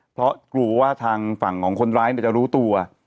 เพราะกลัวว่าทางฝั่งของคนร้ายจะรู้ตัว